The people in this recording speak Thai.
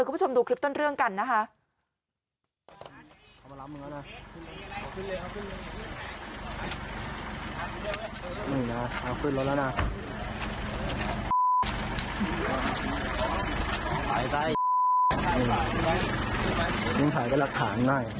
คุณผู้ชมดูคลิปต้นเรื่องกันนะคะ